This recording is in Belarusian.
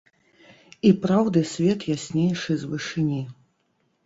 І праўды свет яснейшы з вышыні.